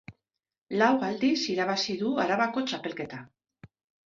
Lau aldiz irabazi du Arabako Txapelketa.